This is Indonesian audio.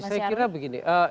saya kira begini